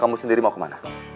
kamu sendiri mau ke mana